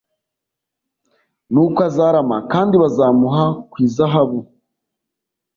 Nuko azarama kandi bazamuha ku izahabu